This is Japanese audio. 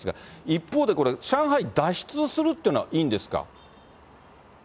一方で、これ、上海脱出をするというのはいいんですか？